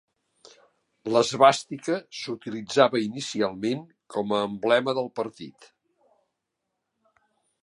L'esvàstica s'utilitzava inicialment com a emblema del partit.